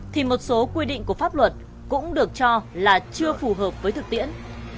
thì một số quy định của pháp luật cũng được cho là chưa phù hợp với thực tiễn